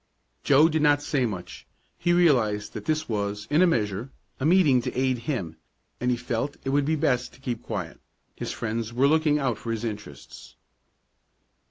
Joe did not say much. He realized that this was, in a measure, a meeting to aid him, and he felt it would be best to keep quiet. His friends were looking out for his interests.